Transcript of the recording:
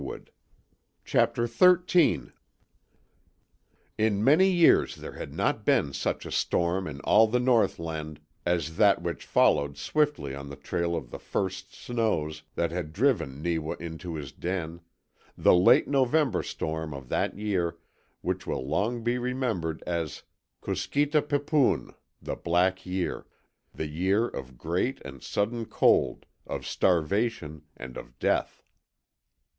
SLEEP!" CHAPTER THIRTEEN In many years there had not been such a storm in all the Northland as that which followed swiftly in the trail of the first snows that had driven Neewa into his den the late November storm of that year which will long be remembered as KUSKETA PIPPOON (the Black Year), the year of great and sudden cold, of starvation and of death.